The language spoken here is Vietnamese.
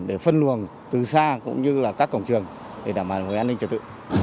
để phân luồng từ xa cũng như là các cổng trường để đảm bảo về an ninh trật tự